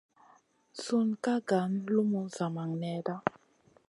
Sun ka nga lumu zamang nèda.